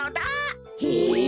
へえ。